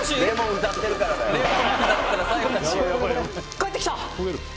「返ってきた！」